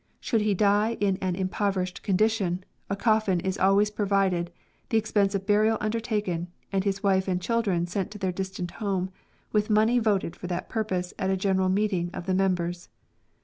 Should he die in an impoverished condition, a coffin is always provided, the expenses of burial undertaken, and his wife and children sent to their distant home, with money voted for that purpose at a general meeting of the members.